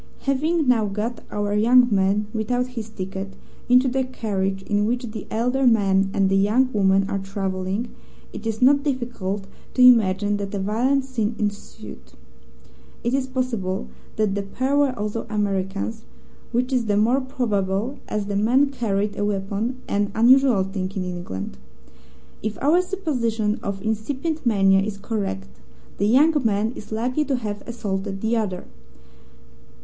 "Having now got our young man, without his ticket, into the carriage in which the elder man and the young woman are travelling, it is not difficult to imagine that a violent scene ensued. It is possible that the pair were also Americans, which is the more probable as the man carried a weapon an unusual thing in England. If our supposition of incipient mania is correct, the young man is likely to have assaulted the other.